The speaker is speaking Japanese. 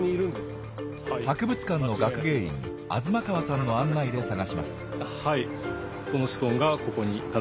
博物館の学芸員東川さんの案内で探します。